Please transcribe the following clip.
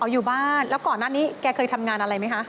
อยู่บ้านแล้วก่อนหน้านี้แกเคยทำงานอะไรไหมคะ